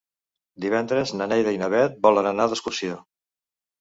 Divendres na Neida i na Bet volen anar d'excursió.